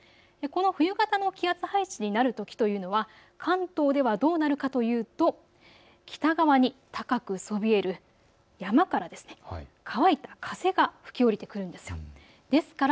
この冬型の気圧配置になるときというのは関東ではどうなるかというと北側に高くそびえる山から乾いた風が吹き降りてくるんです。